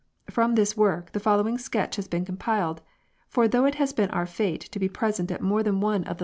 From this work the following sketch has been compiled, for though it has been our fate to be present at more than one of the 178 INQUESTS.